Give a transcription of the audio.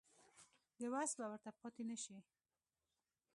د وس به ورته پاتې نه شي.